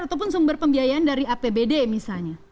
ataupun sumber pembiayaan dari apbd misalnya